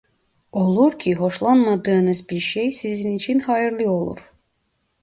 Olur ki hoşlanmadığınız bir şey sizin için hayırlı olur.